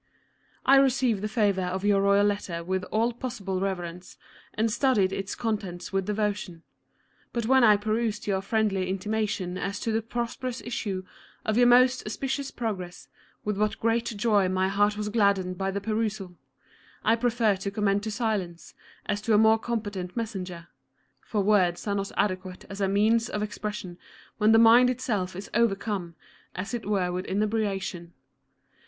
I received the favour of your royal letter with all possible reverence, and studied its contents with devotion. But when I perused your friendly intimation as to the prosperous issue of your most auspicious progress, with what great joy my heart was gladdened by the perusal I prefer to commend to silence, as to a more competent messenger ; for words* are not adequate as a means of expression when the mind itself is overcome as it were with inebriation.